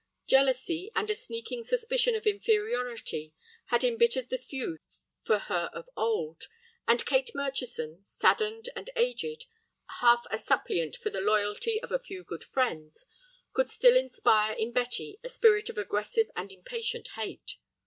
Jealousy and a sneaking suspicion of inferiority had embittered the feud for her of old; and Kate Murchison, saddened and aged, half a suppliant for the loyalty of a few good friends, could still inspire in Betty a spirit of aggressive and impatient hate.